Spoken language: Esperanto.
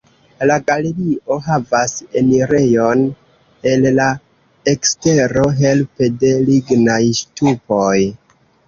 La galerio havas enirejon el la ekstero helpe de lignaj ŝtupoj.